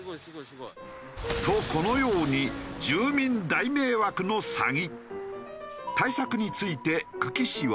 とこのように住民大迷惑のサギ。